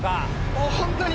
もうホントに。